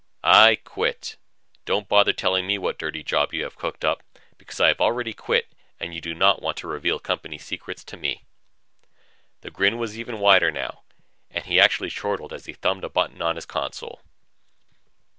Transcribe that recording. "I quit. Don't bother telling me what dirty job you have cooked up, because I have already quit and you do not want to reveal company secrets to me." The grin was even wider now and he actually chortled as he thumbed a button on his console.